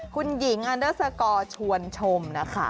คุณหญิงชวนชม